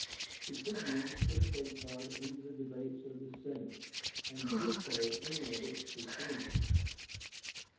The Tribunes could take part in the debates of the Senate, and veto any of its decisions.